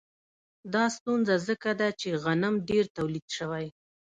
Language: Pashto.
دا ستونزه ځکه ده چې غنم ډېر تولید شوي